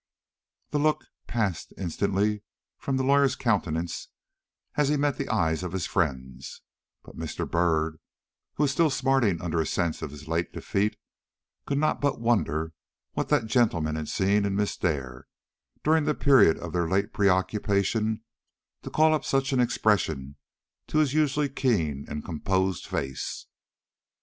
This look passed instantly from the lawyer's countenance as he met the eyes of his friends, but Mr. Byrd, who was still smarting under a sense of his late defeat, could not but wonder what that gentleman had seen in Miss Dare, during the period of their late preoccupation, to call up such an expression to his usually keen and composed face.